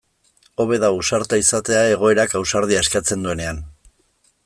Hobe da ausarta izatea egoerak ausardia eskatzen duenean.